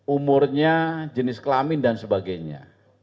umurnya jenis kelamin dan sebagainya